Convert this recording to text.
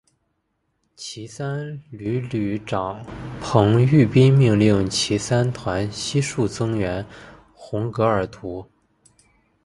骑三旅旅长彭毓斌命令骑三团悉数增援红格尔图。